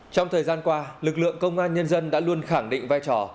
trong thời gian qua lực lượng công an nhân dân đã luôn khẳng định vai trò